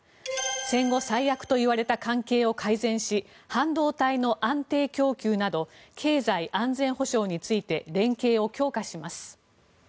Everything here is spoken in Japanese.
戦後最悪といわれた関係を改善し半導体の安定供給など経済、安全保障について連携を強化します。